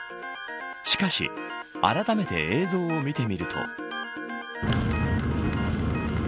しかしあらためて映像を見てみると。